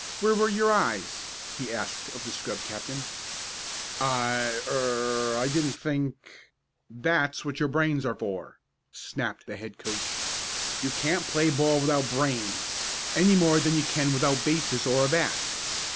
Where were your eyes?" he asked, of the scrub captain. "I er I didn't think " "That's what your brains are for," snapped the head coach. "You can't play ball without brains, any more than you can without bases or a bat.